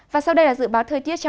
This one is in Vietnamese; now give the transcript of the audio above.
và sau đây là dự báo thời tiết